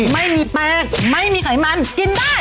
ไม่มีแป้งไม่มีไขมันกินได้